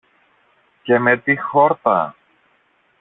Και με τι χόρτα!